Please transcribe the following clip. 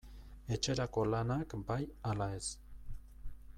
Etxerako lanak bai ala ez?